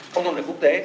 không thông thủy quốc tế